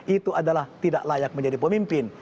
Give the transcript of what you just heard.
itu adalah tidak layak menjadi pemimpin